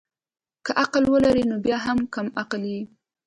که عقل ولري نو بيا هم کم عقل يي